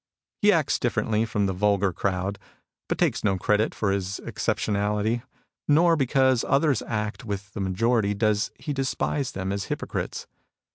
He acts differently from the vulgar crowd, but takes no credit for his exceptionality ; nor, because others act with the majority, does he despise them as hypocrites.